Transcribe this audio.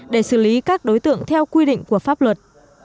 để xử lý các đối tượng theo quy định của pháp luật